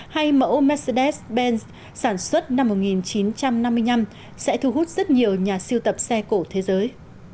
hay mẫu mercedes benz sản xuất năm một nghìn chín trăm năm mươi năm sẽ thu hút rất nhiều nhà siêu tập xe cổ thế giới